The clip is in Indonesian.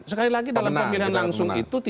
sekali lagi dalam pemilihan langsung itu